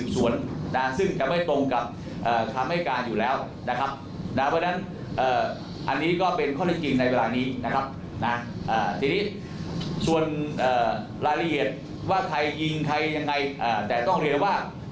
ส่วนรหละละเอียดว่าใครยิงใครอย่างไรแต่ต้องเรียนว่า